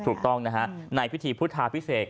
ถูกต้องนะฮะในพิธีพุทธาพิเศษ